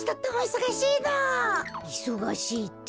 いそがしいって？